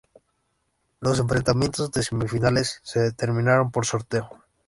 Los enfrentamientos de semifinales se determinaron por sorteo.